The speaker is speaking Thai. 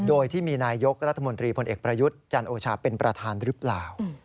โดยที่มีนายยกรัฐมนตรีพลเอกประยุทธ์จันโอชาเป็นประธานหรือเปล่า